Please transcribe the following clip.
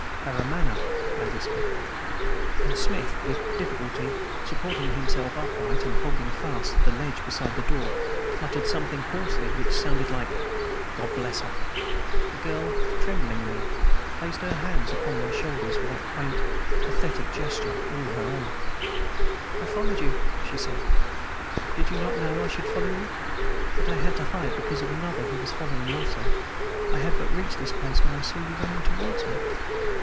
"Karamaneh," I whispered. And Smith, with difficulty, supporting himself upright, and holding fast to the ledge beside the door, muttered something hoarsely, which sounded like "God bless her!" The girl, trembling now, placed her hands upon my shoulders with that quaint, pathetic gesture peculiarly her own. "I followed you," she said. "Did you not know I should follow you? But I had to hide because of another who was following also. I had but just reached this place when I saw you running towards me."